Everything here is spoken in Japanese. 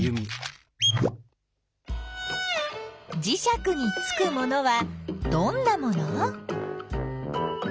じしゃくにつくものはどんなもの？